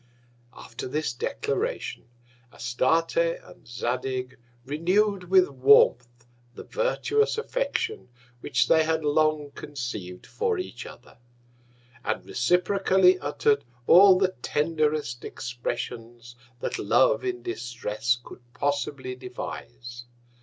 After this Declaration, Astarte and Zadig renew'd with Warmth the virtuous Affection which they had long conceiv'd for each other; and reciprocally utter'd all the tenderest Expressions that Love in Distress could possibly devise.